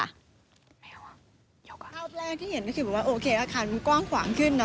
ภาพแรกที่เห็นก็คือบอกว่าโอเคอาคารมันกว้างขวางขึ้นเนอ